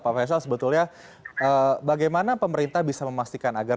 pak faisal sebetulnya bagaimana pemerintah bisa memastikan agar